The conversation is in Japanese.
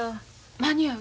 間に合う？